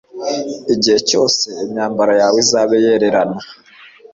igihe cyose imyambaro yawe izabe yererana